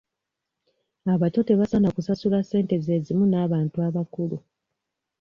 Abato tebasaana kusasula ssente ze zimu n'abantu abakulu.